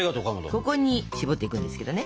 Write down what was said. ここにしぼっていくんですけどね。